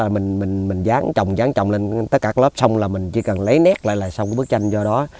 mình dán trồng dáng trồng lên tất cả các lớp xong là mình chỉ cần lấy nét lại là xong bức tranh do đó